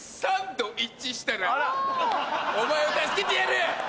したらお前を助けてやる！